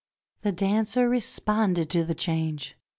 The dancer responded to the change.